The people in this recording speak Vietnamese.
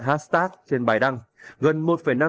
hashtag trên bài đăng gần